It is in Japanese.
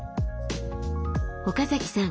岡崎さん